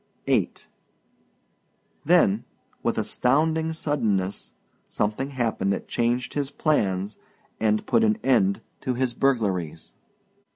VIII Then with astounding suddenness something happened that changed his plans and put an end to his burglaries.